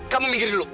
kamu minggir dulu